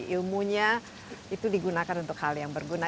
ilmunya itu digunakan untuk hal yang berguna